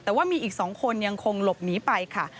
แต่ว่ามีอีก๒คนยังคงหลบหนีไปค่ะ